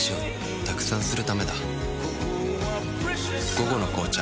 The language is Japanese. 「午後の紅茶」